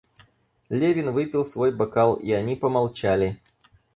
Левин выпил свой бокал, и они помолчали.